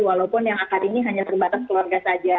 walaupun yang akar ini hanya terbatas keluarga saja